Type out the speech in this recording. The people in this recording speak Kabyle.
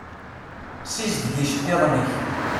Sizdeg iceṭṭiḍen-ik.